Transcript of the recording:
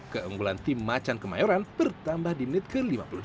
keunggulan tim macan kemayoran bertambah di menit ke lima puluh sembilan